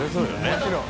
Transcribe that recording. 「もちろん」